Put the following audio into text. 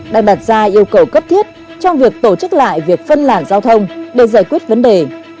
đang đặt ra yêu cầu cấp thiết trong việc tổ chức lại việc phân làn giao thông để giải quyết vấn đề